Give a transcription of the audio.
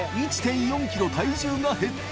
４ｋｇ体重が減った！